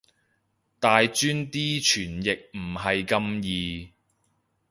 大專啲傳譯唔係咁易